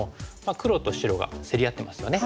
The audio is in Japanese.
黒と白が競り合ってますよね。